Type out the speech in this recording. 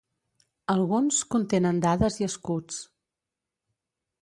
Alguns contenen dades i escuts.